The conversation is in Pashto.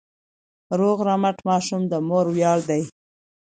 روغ رمټ ماشوم د مور ویاړ دی.